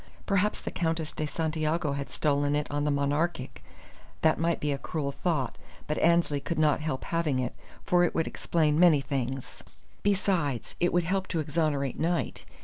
Perhaps the Countess de Santiago had stolen it on the Monarchic! That might be a cruel thought, but Annesley could not help having it, for it would explain many things. Besides, it would help to exonerate Knight.